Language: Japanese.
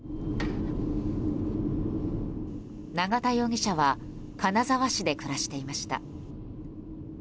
永田容疑者は金沢市で暮らしていました。